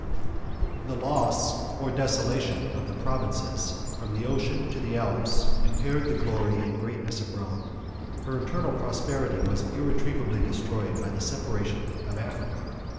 The loss or desolation of the provinces, from the Ocean to the Alps, impaired the glory and greatness of Rome: her internal prosperity was irretrievably destroyed by the separation of Africa.